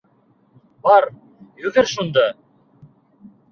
Бар, йүгер шунда.